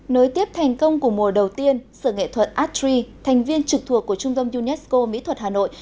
nối tiếp thành công của mùa đầu tiên sự nghệ thuật art tree thành viên trực thuộc của trung tâm unesco mỹ thuật hà nội